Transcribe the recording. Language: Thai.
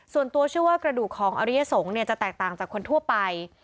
ส่วนตัวเชื่อว่ากระดูกของอริยสงฆ์จะแตกต่างจากคนทั่วไป